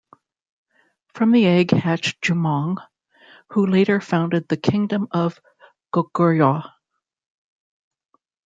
From the egg hatched Jumong, who later founded the kingdom of Goguryeo.